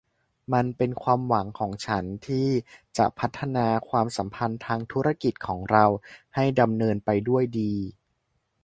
มันเป็นความหวังของฉันที่จะพัฒนาความสัมพันธ์ทางธุรกิจของเราให้ดำเนินไปด้วยดี